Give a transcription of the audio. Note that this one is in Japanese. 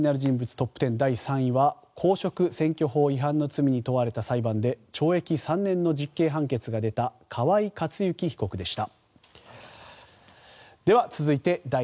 トップ１０第３位は公職選挙法違反の罪に問われた裁判で懲役３年の実刑判決が出た河井克行被告でした。